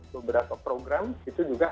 beberapa program itu juga